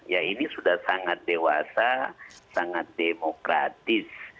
ya ini sudah sangat dewasa sangat demokratis